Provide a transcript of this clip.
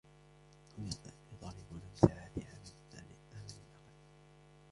هم يطالبون بساعات عمل أقل.